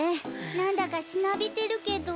なんだかしなびてるけど。